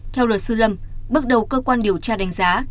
theo luật sư lâm bước đầu cơ quan điều tra đánh giá